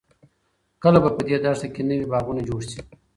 کله به په دې دښته کې نوې باغونه جوړ شي؟